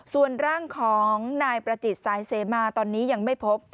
ส่วนร่างของนายประจิตสายเสมาตอนนี้ยังไม่พบ